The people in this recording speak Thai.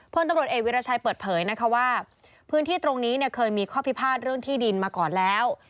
พตเวิรชัยเปิดเผยว่าพื้นที่ตรงนี้เคยมีข้อพิพาทเรื่องที่ดินมาก่อนแล้ว